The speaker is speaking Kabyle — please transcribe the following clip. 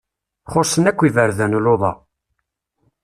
Xuṣṣen akk iberdan luḍa.